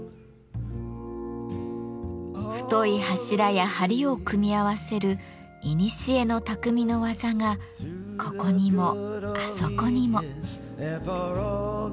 太い柱や梁を組み合わせるいにしえの匠の技がここにもあそこにも。